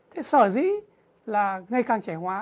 thế sở dĩ là ngày càng trẻ hóa